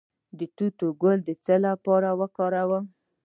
د توت ګل د څه لپاره وکاروم؟